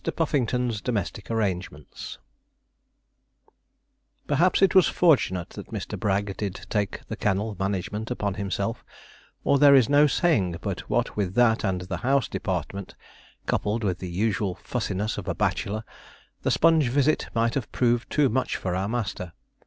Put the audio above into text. PUFFINGTON'S DOMESTIC ARRANGEMENTS Perhaps it was fortunate that Mr. Bragg did take the kennel management upon himself, or there is no saying but what with that and the house department, coupled with the usual fussiness of a bachelor, the Sponge visit might have proved too much for our master.